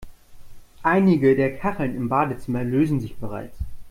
Einige der Kacheln im Badezimmer lösen sich bereits.